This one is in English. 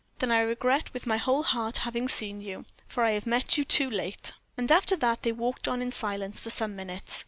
"Then I regret, with my whole heart, having seen you, for I have met you too late." And after that they walked in silence for some minutes.